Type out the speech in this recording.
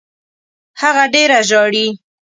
هغه ډېره ژاړي.